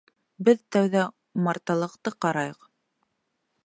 — Беҙ тәүҙә умарталыҡты ҡарайыҡ.